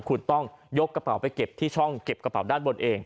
คุณต้องยกกระเป๋าไปเก็บที่ช่องเก็บกระเป๋าด้านบนเอง